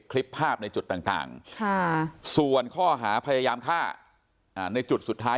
คลิปภาพในจุดต่างส่วนข้อหาพยายามฆ่าในจุดสุดท้าย